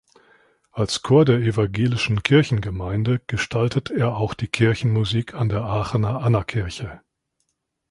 Als Chor der Evangelischen Kirchengemeinde gestaltet er auch die Kirchenmusik an der Aachener Annakirche.